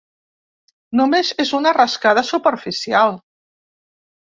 Només és una rascada superficial.